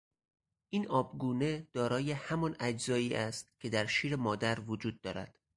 این آبگونه دارای همان اجزایی است که در شیر مادر وجود دارد.